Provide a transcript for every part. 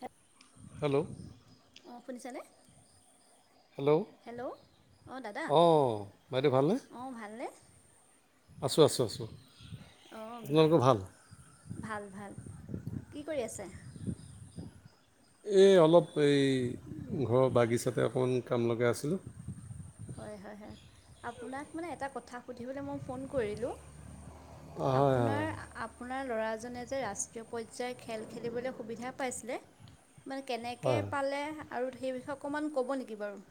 হে হেল্ল' অ শুনিছানে? হেল্ল' হেল্ল' অহ দাদা অঁ বাইদেউ ভালনে অহ ভালনে? আছোঁ আছোঁ আছোঁ অ আপোনালোকৰ ভাল ভাল ভাল কি কৰি আছে? এই অলপ এই ঘৰৰ বাগিচাতে অকণমান কাম লগাই আছিলোঁ হয় হয় হয় আপোনাক মানে এটা কথা সুধিবলৈ মই ফোন কৰিলোঁ অঁ, হয় আপোনাৰ আপোনাৰ ল'ৰাজনে যে ৰাষ্ট্ৰীয় পৰ্যায় খেল খেলিবলৈ সুবিধা পাইছিলে, মানে হয় কেনেকৈ হয় পালে আৰু সেই বিষয়ে অকণমান ক'ব নেকি বাৰু?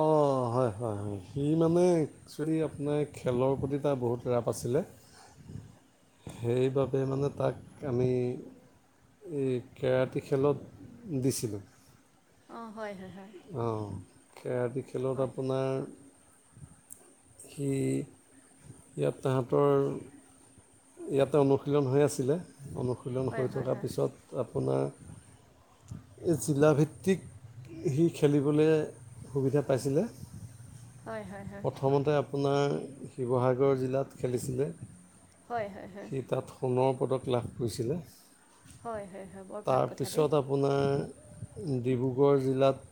অঁ হয় হয় সি মানে একচুৱেলি আপোনাৰ খেলৰ প্ৰতি তাৰ বহুত ৰাপ আছিলে - সেইবাবে মানে তাক আমি এই কেৰাটী খেলত দিছিলোঁ। অহ হয় হয় হয় অ', কেৰাটী খেলত আপোনাৰ সি, ইয়াত তাহাঁতৰ ইয়াতে অনুশীলন হৈ আছিলে, অনুশীলন হয় হৈ হয় থকাৰ হয় পিছত আপোনাৰ এই জিলাভিত্তিক সি খেলিবলে সুবিধা পাইছিলে। হয় হয় প্ৰথমতে আপোনাৰ শিৱসাগৰ জিলাত খেলিছিলে‌। হয় হয় হয় হয় সি তাত সোণৰ পদক লাভ কৰিছিলে। হয় হয় হয় হয় বৰ ভাল কথা দেই তাৰপিছত আপোনাৰ ডিব্ৰুগড় জিলাত,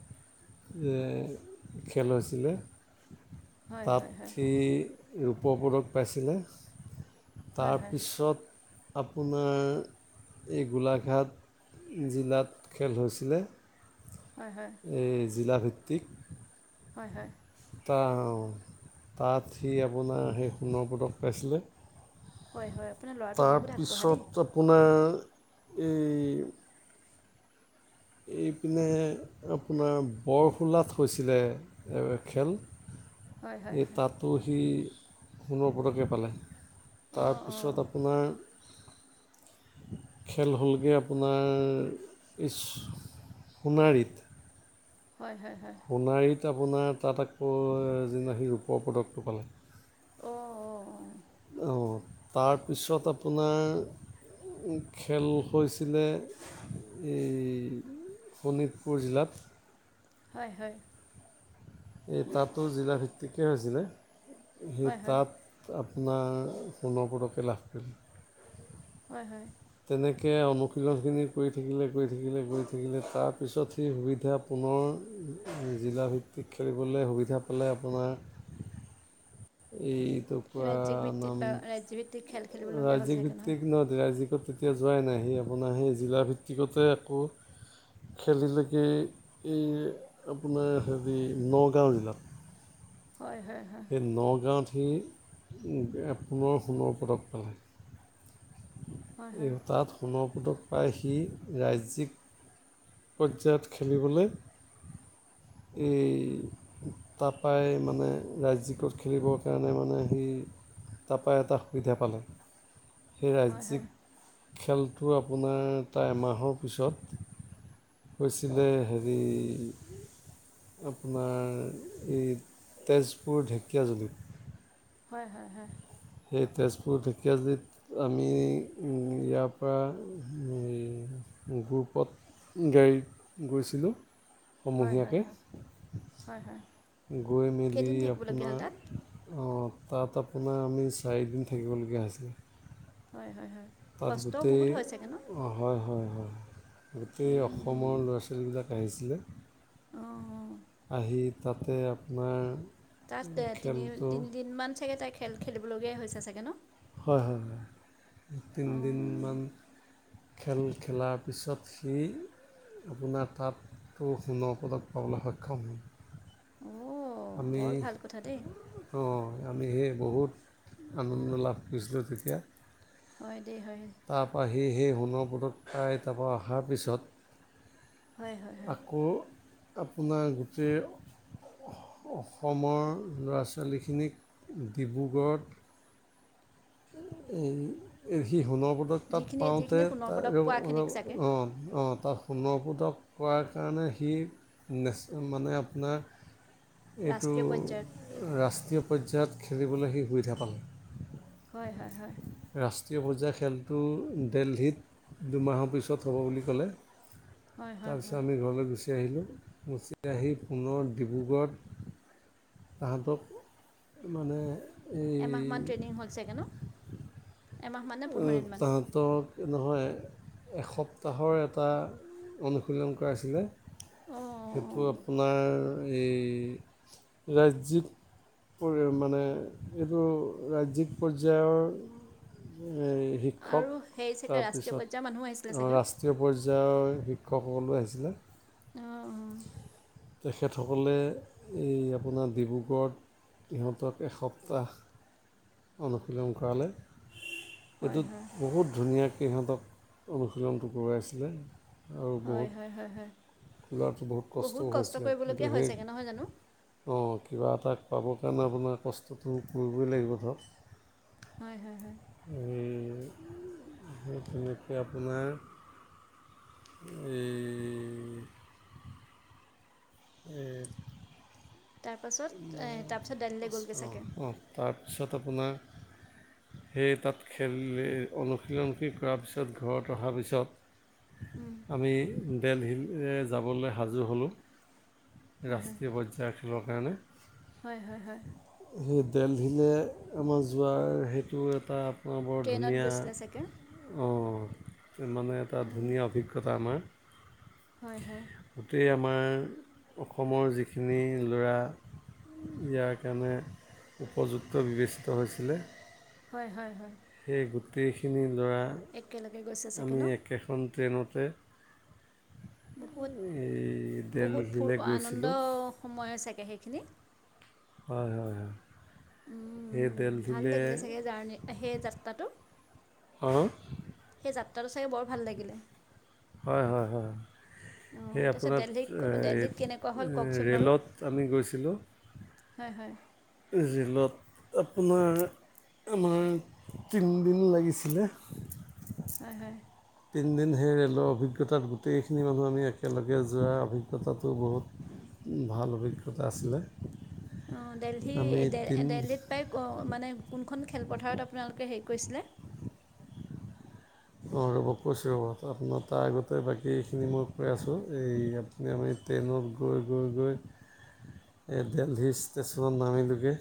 যে খেল হৈছিলে, হয় তাত হয় হয় সি ৰূপ পদক পাইছিলে। হয় হয় তাৰপিছত আপোনাৰ, এই গোলাঘাট জিলাত খেল হৈছিলে। হয় হয়। এই জিলাভিত্তিক হয় হয়। তাও তাত সি আপোনাৰ সেই সোণৰ পদক পাইছিলে। হয় হয়, আপোনাৰ ল'ৰাটো বহুত আগবঢ়া দেই। তাৰপিছত আপোনাৰ এই এইপিনে আপোনাৰ বৰসোলাত হৈছিলে, খেল। হয় হয় এই হয় তাতো সি সোণৰ পদকে পালে। অঁ অঁ তাৰপিছত আপোনাৰ খেল হ'লগৈ আপোনাৰ ইচ সোণাৰিত। হয় হয় হয়। সোণাৰীত আপোনাৰ তাত আকৌ, যনা সি ৰূপৰ পদকটো পালে। অ', অ', অ'। অ, তাৰপিছত আপোনাৰ খেল হৈছিলে, এই শোণিতপুৰ জিলাত। হয়-হয়। এই তাতো জিলা ভিত্তিকে হৈছিলে, সেই হয় হয় তাত আপোনাৰ সোণৰ পদকে লাভ কৰিলে। হয় হয়। তেনেকে অনুশীলনখিনি কৰি থাকিলে, কৰি থাকিলে, কৰি থাকিলে, তাৰপিছত সি সুবিধা পুনৰ জিলাভিত্তিক খেলিবলে সুবিধা পালে আপোনাৰ এইটো পা ৰাজ্যিক ভিত্তিত নাম, বা ৰাজ্যভিত্তিক খেল খেলিবলগীয়া হ'ল ৰাজ্যিক চাগে ভিত্তিক ন, ৰাজ্যিক কৰ এতিয়া যোৱাই নাই, সি আপোনাৰ সেই জিলা ভিত্তিকতে আকৌ খেলিলেগে, এই আপোনাৰ হেৰি নগাঁও জিলাত। হয় হয় হয়। সেই নগাঁৱত সি পুনৰ সোণৰ পদক পালে। হয় হয় এই তাত সোণৰ পদক পায় সি ৰাজ্যিক পৰ্যায়ত খেলিবলে এই তাৰ পৰাই মানে ৰাজ্যিকত খেলিবৰ কাৰণে মানে সি তাৰপা এটা সুবিধা পালে। সেই হয় হয় ৰাজ্যিক খেলটো আপোনাৰ, তাৰ এমাহৰ পিছত হৈছিলে হেৰি আপোনাৰ, এই তেজপুৰ ঢেকীয়াজুলিত। হয় হয় হয়। সেই তেজপুৰ ঢেকীয়াজুলিত। আমি ইয়াৰ পৰা গ্ৰুপত গাড়ীত গৈছিলোঁ। হয় হয় হয় সমূহীয়াকে, হয় হয় গৈ মেলি কেইদিন থাকিবলগীয়া হ'ল আপোনাৰ তাত অ, তাত আপোনাৰ আমি চাৰিদিন থাকিবলগীয়া হৈছিল। হয় হয় হয়। তাত কষ্টও গোটেই বহুত হয় চাগে ন অ', হয়, হয়, হয়, গোটেই উম, অসমৰ উম, ল'ৰা-ছোৱালীবিলাক আহিছিলে। অঁ অঁ আহি তাতে আপোনাৰ তাত খেলটো তিনি-তিনিদিনমান চাগে তাই খেল খেলিবলগীয়া হৈছে চাগে ন? হয়, হয়, হয়, অঁ তিনিদিনমান। খেল খেলাৰ পিছত সি আপোনাৰ তাতো সোণৰ পদক পাবলৈ সক্ষম হয়। অঁ আমি বৰ ভাল কথা দেই অ, আমি সেয়ে বহুত আনন্দ লাভ কৰিছিলোঁ তেতিয়া। হয় দেই হয়। তাৰপৰা সি সেই সোণৰ পদক পাই, তাৰপৰা অহাৰ পিছত। হয় হয় হয় আকৌ আপোনাৰ গোটেই অসমৰ ল'ৰা-ছোৱালীখিনিক ডিব্ৰুগড়ত এই সি সোণৰ পদক তাত যিখিনি পাওঁতে যিখিনি সোণৰ ত পদক পোৱাখিনিক চাগে অ, অ তাৰ সোণ পদক পোৱাৰ কাৰণে সি নেচ মানে আপোনাৰ এইটো ৰাষ্ট্ৰীয় পৰ্যায়ত ৰাষ্ট্ৰীয় পৰ্যায়ত খেলিবলৈ সি সুবিধা পালে। হয়, হয়, হয়। ৰাষ্ট্ৰীয় পৰ্যায়ৰ খেলটো দেলহিত দুমাহৰ পিছত হ'ব বুলি ক'লে। হয় হয় তাৰপিছত হয় আমি ঘৰলৈ গুচি আহিলোঁ, গুচি আহি পুনৰ ডিব্ৰুগড়ত তাহতক মানে এই এমাহমান ট্ৰেইনিং হ'ল চাগে ন? এমাহমান নে অ, পোন্ধৰ দিনমান তাহাঁতক তেওঁক নহয় এসপ্তাহৰ এটা অনুশীলন কৰাইছিলে। অঁ অঁ সেইটো অঁ আপোনাৰ এই ৰাজ্যিক পৰি মানে এইটো ৰাজ্যিক পৰ্যায়ৰ সেই। আৰু সেই চাগে ৰাষ্ট্ৰীয় পৰ্যায়ৰ মানুহো আহিছিলে চাগে। ৰাষ্ট্ৰীয় পৰ্যায়ৰ শিক্ষকসকলো আহিছিলে। অ অ। তেখেতসকলে এই আপোনাৰ ডিব্ৰুগড়ত ইহঁতক এসপ্তাহ। অনুশীলন কৰালে হয় এইটোত হয় বহুত ধুনীয়াকে সিহঁতক। অনুশীলনটো কৰাইছিলে। হয় হয় হয় হয় ল'ৰাটো বহুত কষ্টও কষ্ট হৈছিলে কিন্তু কৰিবলগীয়া হয় সেই চাগে নহয় জানো। অঁ কিবা এটা পাবৰ কাৰণে আপোনাৰ কষ্টটো কৰিবই লাগিব ধৰক। হয় হয় হয়। উম সেই তেনেকে আপোনাৰ এই। এ তাৰপাছত এ তাৰপিছত দেল্লীলে গ'লগে অঁ চাগে। অঁ তাৰপিছত আপোনাক সেই তাত। খেলিলে অনুশীলনশীল কৰাৰ পিছত ঘৰত অহাৰ পিছত। উম। আমি দেলহীলে যাবলে সাজু হ'লোঁ হয় ৰাষ্ট্ৰীয় পৰ্যায়। য়ৰ কাৰণে। হয় হয় হয়। সেই দেলহিলে আমাৰ যোৱাৰ সেইটো এটা, অ বৰ ট্ৰেইনত ধুনীয়া। গৈছিলে চাগে অঁ, মানে এটা অঁ ধুনীয়া অভিজ্ঞতা আমাৰ। হয় হয়। গোটেই আমাৰ অসমৰ যিখিনি ল'ৰা। ইয়াৰ কাৰণে উপযুক্ত বিবেচিত হৈছিলে। হয় হয় হয়। সেই গোটেইখিনি ল'ৰা একেলগে গৈছে চাগে আমি ন একেখন ট্ৰেইনতে। বহুত এই বহুত ফু দেলহিলৈ গৈছিলোঁ আনন্দ সময়ৰ চাগে সেইখিনি। হয় হয় হয়। উম, সেই উম ভাল দেলহিলৈ লাগিলে চাগে জাৰ্ণি সেই যাত্ৰাটো। অঁ। সেই যাত্ৰাটো চাগে বৰ ভাল লাগিলে। হয় হয় হয় হয় অঁ সেই তাৰপিছত আপোনাত দেলহিত এ দেলহিত কেনেকুৱা হ'ল ৰেল কওকচোন বাৰু ৰে'লত আমি গৈছিলোঁ। হয় হয়। ৰেলত আপোনাৰ, আমাৰ তিনদিন লাগিছিলে। হয় হয়। তিনদিন সেই ৰেলৰ অভিজ্ঞতাত গোটেইখিনি মানুহ আমি একেলগে যোৱা অভিজ্ঞ সে তাটো বহুত ভাল অভিজ্ঞতা আছিলে। অ দেলহি আমি দে তিনি দেলহিত- প্ৰায় মানে কোনখন খেলপথাৰত আপোনালোকে হেৰি কৰিছিলে? অঁ ৰ'ব কৈছোঁ ৰ'ব, আপোনাৰ তাৰ আগতে বাকী এইখিনি মই কৈ আছোঁ এইয়াত আমি ট্ৰেনত গৈ -গৈ-গৈ [inaudible] এ দেলহি ষ্টেচনত নামিলোগে।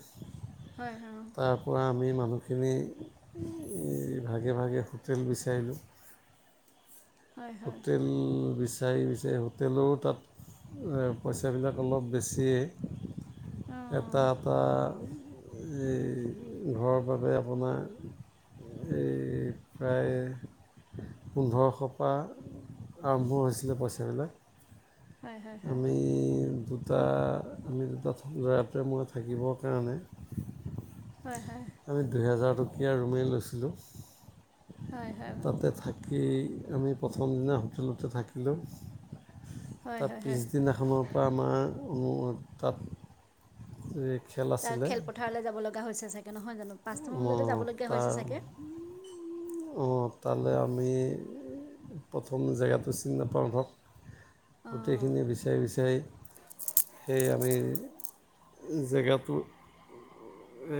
হয় হয়। তাৰপৰা আমি মানুহখিনি ভাগে ভাগে হোটেল বিচাৰিলোঁ। হয় হয় হোটেল বিচাৰি বিচাৰি হোটেলো তাত, এ পইচাবিলাক অলপ বেছিয়ে অঁ এটা- এটা এই [inaudible] ঘৰৰ বাবে আপোনাৰ এ প্ৰায় পোন্ধৰশ পা আৰম্ভ হৈছিলে পইচাবিলাক। হয়- হয় -হয়। ই দুটা আমি দুটা [unintelligible] থাকিব কাৰণে। হয় -হয়। আমি দুহেজাৰ টকীয়া ৰুমেই হয় লৈছিলোঁ হয় তাতে থা কি আমি প্ৰথম দিনা হোটেলতে থাকিলোঁ। হয় তাত হয় হয় পিছদিনাখনৰ পৰা আমাৰ অ, তাত এ তাৰ খেলপথাৰলৈ যাব লগা হৈছে চাগে নহয় জানো পাঁচটামান বজাতে যাবলগীয়া হৈছে চাগে? অ, তালে আমি প্ৰথম জেগাটো চি নাপাও অঁ ৰ'গোটেইখিনি বিচাৰি- বিচাৰি সে আমি জেগাটো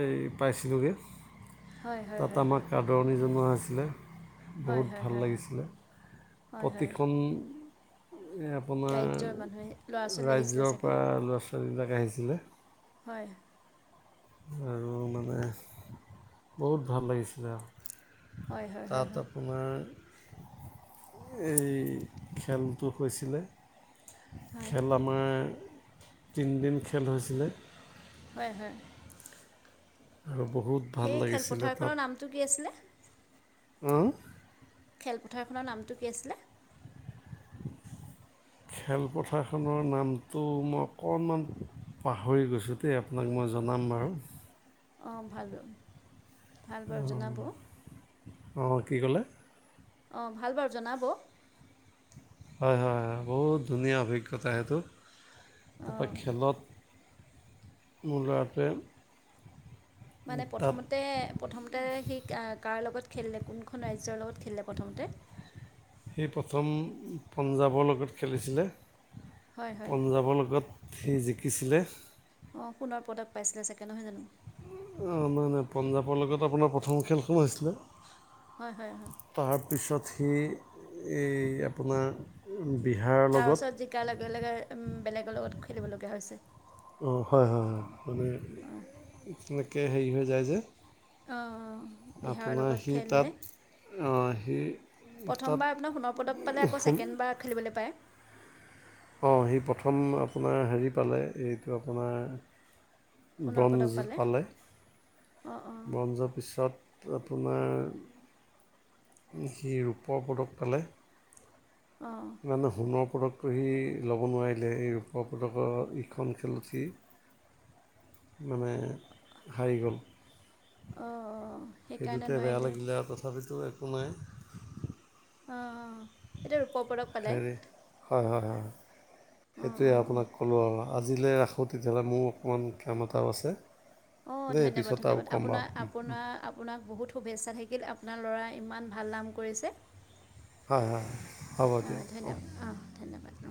এই পাইছিলোগে হয় হয় তাত হয় আমাক আদৰণি জনোৱা হৈছিলে হয় বহুত হয় ভাল হয় হয় লাগিছিলে হয় হয় হয় পতিখন এ ৰাজ্যৰ মানুহে ল'ৰা আপোনাৰ ছোৱালী আহিছিলে ৰাজ্যৰ চাগে পৰা ল'ৰা- ছোৱালীবিলাক আহিছিলে। হয়। আৰু মানে, বহুত ভাল লাগিছিলে আও। হয় হয় হয় তাত হয় আপোনাৰ এই খেলটো হৈছিলে। হয় খেল আমাৰ তিনদিন খেল হৈছিলে। হয়, হয়। আৰু বহুত ভাল সেই লাগিছিলে খেলপথাৰখনৰ নামটো কি আছিলে? অ? খেলপথাৰখনৰ নামটো কি আছিলে? [inaudible] খেলপথাৰখনৰ নামটো মই অকণমান পাহৰি গৈছোঁ দে আপোনাক মই জনাম বাৰু। অ, ভাল [unintelligible] ভাল বাৰু জনাব। অ, কি ক'লে? অ, ভাল বাৰু জনাব। হয় হয় হয় বহুত ধুনীয়া অভিজ্ঞতা সেইটো, তাপা অঁ খেলত মোৰ ল'ৰাটোৱে মানে তাত প্ৰথমতে প্ৰথমতে সি কাৰ লগত খেলিলে কোনখন ৰাজ্যৰ লগত খেলিলে প্ৰথমতে? সি প্ৰথম পঞ্জাৱৰ লগত খেলিছিলে। হয় হয় পঞ্জাৱৰ লগত সি জিকিছিলে। অ সোণৰ প্ৰডাক পাইছিলে চাগে নহয় জানো। অঁ মানে পঞ্জাৱৰ লগত আপোনাৰ প্ৰথম খেলখন হৈছিলে। হয় হয় হয়। তাৰপিছত সি এই আপোনাৰ বিহাৰৰ তাৰ লগত ওচৰত জিকা লগে লগে উম বেলেগৰ লগত খেলিব লগীয়া হৈছে। অ হয়, হয়, হয় মানে হয় তেনেকৈ হেৰি হৈ যায় যে। অঁ বিহাৰৰ লগত খেলিলে। অ, সি তাত প্ৰথমবাৰ আপোনাৰ সোণৰ পদক পালে আকৌ সোণ ছেকেণ্ডবাৰ খেলিবলৈ পায়। অ সি প্ৰথম আপোনাৰ হেৰি পালে এইটো আপোনাৰ সোণৰ পদক ব্ৰঞ্জ পালে অঁ অঁ ব্ৰঞ্জৰ পিছত পো আপোনাৰ সি ৰূপৰ পদক পালে। অঁ। তাৰমানে সোণৰ পদকটো সি ল'ব নোৱাৰিলে এই ৰূপৰ পদকৰ ইখন খেলত সি [inaudible] মানে হাৰি গ'ল অঁ সেইকাৰণে সেইটোতে বেয়া নোৱাৰিলে লাগিলে আৰু তথাপিতো তো নাই। অঁ অঁ, এতিয়া ৰূপৰ পদক পালে হেৰী হয় হয় হয়, অঁ সেইটোৱে অঁ আপোনাক কলো আৰু। আজিলৈ ৰাখোঁ তেতিয়া হ'লে মোৰ অকণমান কাম এটাও আছে। অ দেই ধন্যবাদ, পিছত আৰু ধন্যবাদ ক'ম আপোনা, বাৰু আপোনাৰ আপোনাক বহুত শুভেচ্ছা থাকিল আপোনাৰ ল'ৰা ইমান ভাল নাম কৰিছে। হয় হয় হ'ব আহ দিয়ক ধন্যবাদ, আহ ধন্যবাদ অ।